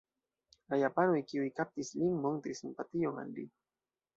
La japanoj kiuj kaptis lin montris simpation al li.